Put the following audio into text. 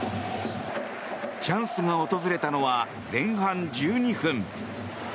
チャンスが訪れたのは前半１２分。